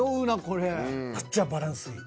むっちゃバランスいい。